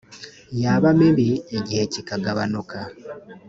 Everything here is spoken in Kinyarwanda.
yaba mibi igihe kikagabanuka